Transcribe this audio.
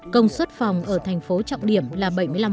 công suất phòng ở thành phố trọng điểm là bảy mươi năm